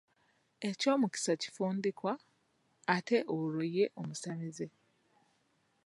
Eky'omusika kifundikwa, ate olwo ye omusamize?